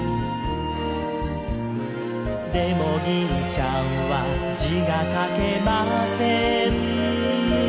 「でも銀ちゃんは字が書けません」